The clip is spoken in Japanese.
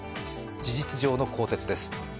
事実上の更迭です。